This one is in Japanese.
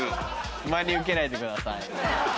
真に受けないでください。